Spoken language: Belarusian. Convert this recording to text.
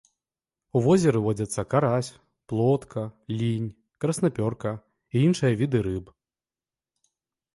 У возеры водзяцца карась, плотка, лінь, краснапёрка і іншыя віды рыб.